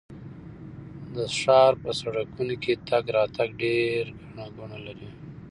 د ښار په سړکونو کې تګ راتګ ډېر ګڼه ګوڼه لري.